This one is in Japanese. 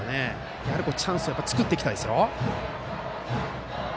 やはりチャンスを作っていきたい。